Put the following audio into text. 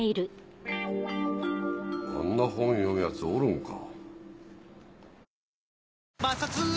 あんな本読むヤツおるんか。